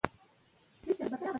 ناشکره مه اوسئ.